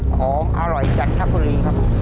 ของอร่อยจันทบุรีครับ